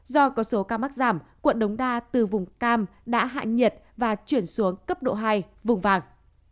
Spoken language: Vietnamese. do có số ca mắc giảm quận đống đa từ vùng cam đã hạ nhiệt và chuyển xuống cấp độ hai vùng vàng